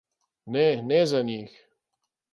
Ne, ne za njih.